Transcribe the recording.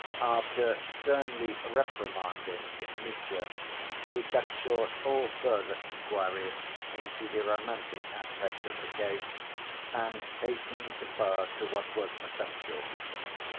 After sternly reprimanding Mitya, he cut short all further inquiry into the romantic aspect of the case, and hastened to pass to what was essential.